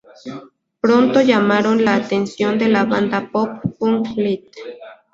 Pronto llamaron la atención de la banda pop punk, Lit.